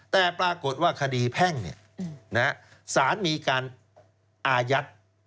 แต่ปรากฏว่าคดีแพ่งสารมีการอายัด